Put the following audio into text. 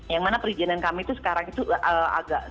yang mana perizinan kami itu sekarang itu agak